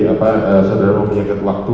apa saudara punya sedikit waktu